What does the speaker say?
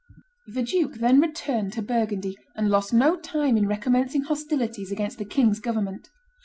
The duke then returned to Burgundy, and lost no time in recommencing hostilities against the king's government.